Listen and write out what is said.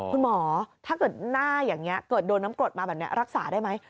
ถ้าเกิดหน้าอย่างนี้เกิดโดนน้ำกรดมาแบบนี้รักษาได้ไหม